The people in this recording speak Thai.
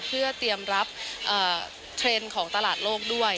เพื่อเตรียมรับเทรนด์ของตลาดโลกด้วย